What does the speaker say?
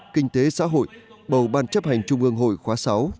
kinh tế xã hội bầu ban chấp hành trung ương hội khóa sáu